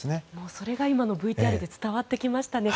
それが今のＶＴＲで伝わってきましたね。